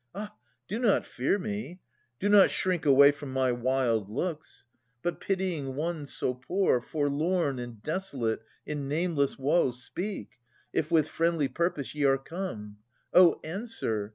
Ah ! do not fear me, do not shrink away From my wild looks : but, pitying one so poor, Forlorn and desolate in nameless woe. Speak, if with friendly purpose ye are come. Oh answer